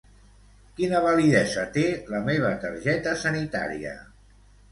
Quina validesa té la meva targeta sanitària?